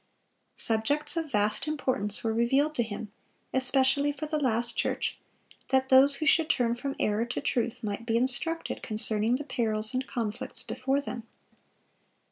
Subjects of vast importance were revealed to him, especially for the last church, that those who should turn from error to truth might be instructed concerning the perils and conflicts before them.